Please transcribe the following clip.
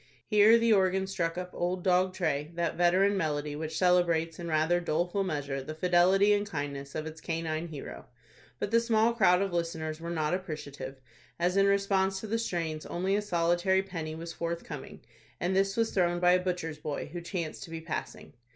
Here the organ struck up "Old Dog Tray," that veteran melody, which celebrates, in rather doleful measure, the fidelity and kindness of its canine hero. But the small crowd of listeners were not appreciative, as in response to the strains only a solitary penny was forthcoming, and this was thrown by a butcher's boy, who chanced to be passing.